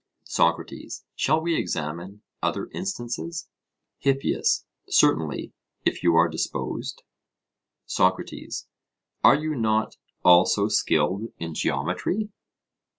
SOCRATES: Shall we examine other instances? HIPPIAS: Certainly, if you are disposed. SOCRATES: Are you not also skilled in geometry?